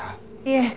いえ。